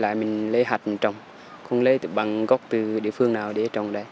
đây là mình lấy hạt mình trồng không lấy bằng gốc từ địa phương nào để trồng đây